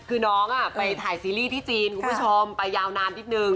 คือน้องไปถ่ายซีรีส์ที่จีนคุณผู้ชมไปยาวนานนิดนึง